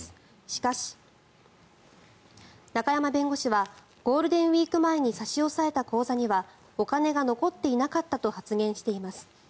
しかし、中山弁護士はゴールデンウィーク前に差し押さえた口座にはお金が残っていたなかったと発言しています。